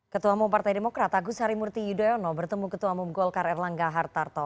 ketua mumpartai demokrat agus harimurti yudhoyono bertemu ketua umum golkar erlangga hartarto